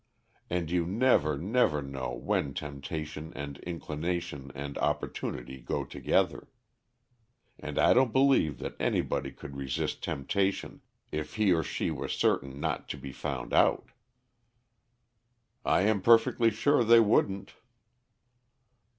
And you never, never know when temptation and inclination and opportunity go together. And I don't believe that anybody could resist temptation if he or she were certain not to be found out!" "I am perfectly sure they wouldn't."